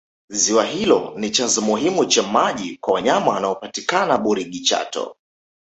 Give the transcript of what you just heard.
ziwa hilo ni chanzo muhimu cha maji kwa wanyama wanaopatikana burigi chato